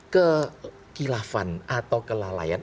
kekilafan atau kelelayan